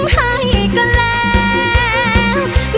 อยากแต่งานกับเธออยากแต่งานกับเธอ